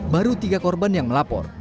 baru tiga korban yang melapor